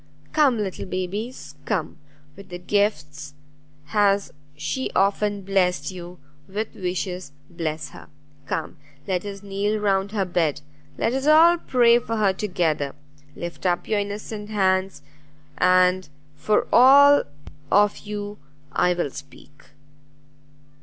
Come, little babies, come; with gifts has she often blessed you, with wishes bless her! Come, let us kneel round her bed; let us all pray for her together; lift up your innocent hands, and for all of you I will speak."